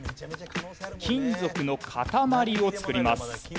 金属の塊を作ります。